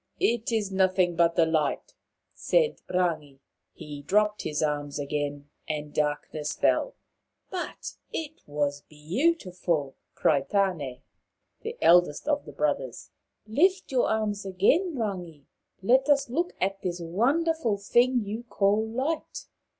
It is nothing but the light," said Rangi. He dropped his arms again and darkness fell. " But it was beautiful !" cried Tan6, the eldest of the brothers. " Lift your arms again, Rangi. Let us look at this wonderful thing you call light."